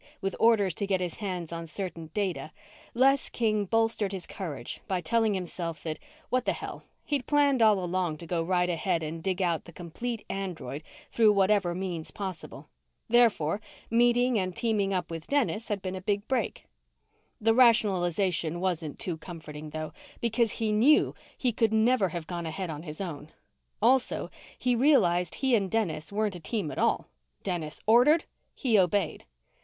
with orders to get his hands on certain data, Les King bolstered his courage by telling himself that, what the hell, he'd planned all along to go right ahead and dig out the complete android through whatever means possible. Therefore, meeting and teaming up with Dennis had been a big break. The rationalization wasn't too comforting, though, because he knew he could never have gone ahead on his own. Also, he realized he and Dennis weren't a team at all. Dennis ordered; he obeyed.